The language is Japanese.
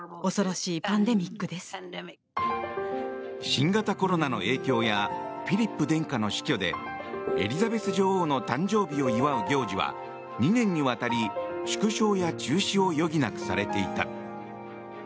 新型コロナの影響やフィリップ殿下の死去でエリザベス女王の誕生日を祝う行事は２年にわたり、縮小や中止を余儀なくされていた。